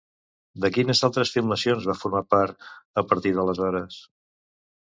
De quines altres filmacions va formar part, a partir d'aleshores?